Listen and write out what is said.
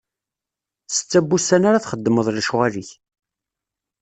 Setta n wussan ara txeddmeḍ lecɣal-ik.